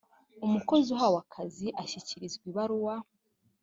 umukozi uhawe akazi ashyikirizwa ibaruwa